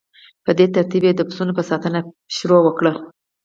په دې ترتیب یې د پسونو په ساتنه پیل وکړ